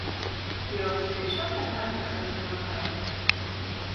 Jūs tiešām par mani tik slikti domājat?